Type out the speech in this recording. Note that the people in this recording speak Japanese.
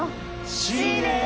Ｃです！